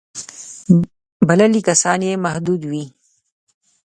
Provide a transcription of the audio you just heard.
بللي کسان یې محدود وي.